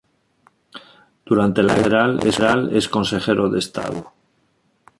Durante la Guerra Federal es consejero de Estado.